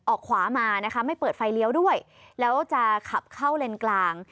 ออกขวามานะคะไม่เปิดไฟเลี้ยวด้วยแล้วจะขับเข้าเลนกลาง